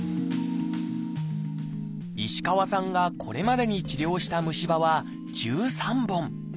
石川さんがこれまでに治療した虫歯は１３本。